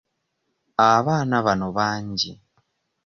Abaana bano bangi.